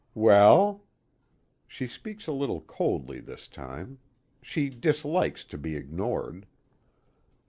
"Well?" She speaks a little coldly this time. She dislikes to be ignored.